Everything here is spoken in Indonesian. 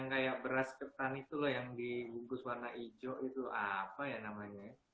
kayak beras ketan itu loh yang dibungkus warna hijau itu apa ya namanya ya